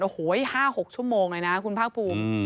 โอ้โห๕๖ชั่วโมงเลยนะคุณภาคภูมิ